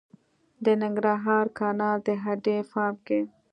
د ننګرهار کانال د هډې فارم کې